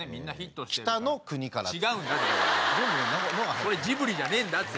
それジブリじゃねえんだ。